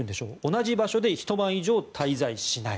同じ場所でひと晩以上滞在しない。